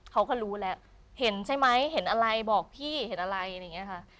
เขาก็รู้แล้วเห็นใช่ไหมเห็นอะไรบอกพี่เห็นอะไรอะไรอย่างนี้ค่ะ